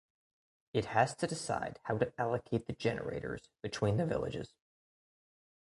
It has to decide how to allocate the generators between the villages.